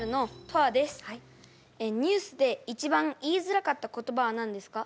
ニュースで一番言いづらかった言葉は何ですか？